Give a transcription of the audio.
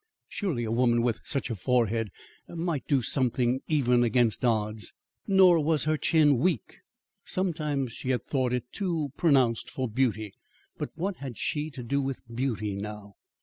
Surely a woman with such a forehead might do something even against odds. Nor was her chin weak; sometimes she had thought it too pronounced for beauty; but what had she to do with beauty now?